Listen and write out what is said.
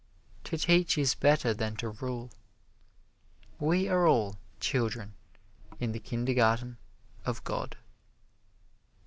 To teach is better than to rule. We are all children in the Kindergarten of God.